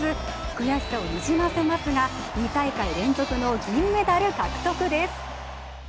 悔しさをにじませますが２大会連続の銀メダル獲得です。